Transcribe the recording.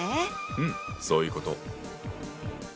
うんそういうこと。